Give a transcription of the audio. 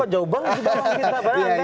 kok jauh banget sih bang